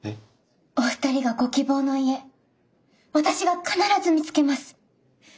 お二人がご希望の家私が必ず見つけます！